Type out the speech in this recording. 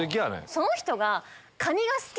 その人が。